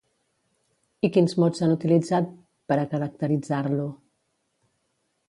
I quins mots han utilitzat per a caracteritzar-lo?